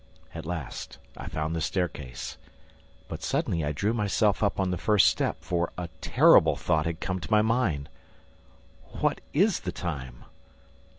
At last, I found the staircase. But, suddenly I drew myself up on the first step, for a terrible thought had come to my mind: "What is the time?"